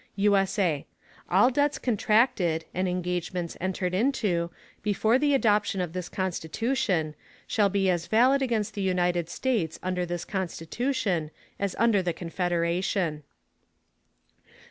[USA] All Debts contracted and Engagements entered into, before the Adoption of this Constitution, shall be as valid against the United States under this Constitution, as under the Confederation.